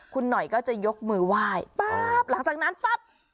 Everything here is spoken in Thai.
คุณหน่อยก็จะยกมือไหว้ปั๊บหลังจากนั้นปั๊บ